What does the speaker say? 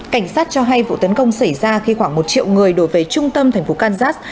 cảnh sát cho hay vụ tấn công xảy ra khi khoảng một triệu người đổ về trung tâm thành phố kansas